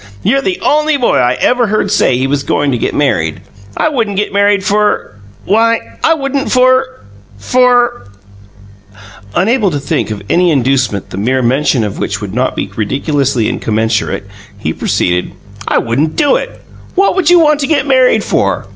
You're the only boy I ever heard say he was going to get married. I wouldn't get married for why, I wouldn't for for " Unable to think of any inducement the mere mention of which would not be ridiculously incommensurate, he proceeded: "I wouldn't do it! What you want to get married for?